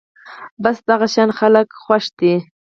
بس دغه شان خلک خوښ دي